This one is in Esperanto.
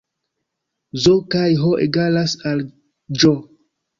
Z kaj H egalas al Ĵ